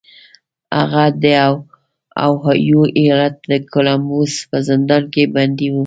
هغه د اوهایو ایالت د کولمبوس په زندان کې بندي و